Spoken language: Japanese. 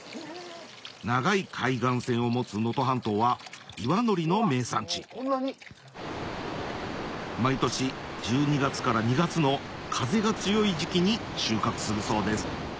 長い海岸線を持つ能登半島は岩のりの名産地毎年１２月から２月の風が強い時期に収穫するそうです